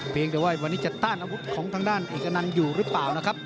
เพียงแต่ว่าวันนี้จะต้านอาวุธของทางด้านเอกอนันต์อยู่หรือเปล่านะครับ